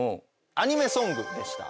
アニメソングでした。